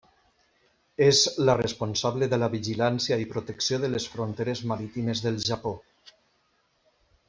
És la responsable de la vigilància i protecció de les fronteres marítimes del Japó.